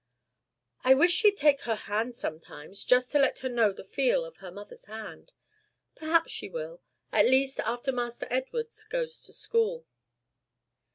"I wish she'd take her hand sometimes, just to let her know the feel of her mother's hand. Perhaps she will, at least after Master Edward goes to school."